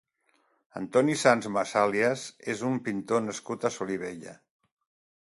Antoni Sans Masalias és un pintor nascut a Solivella.